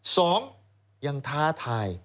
สองยังท้าทาย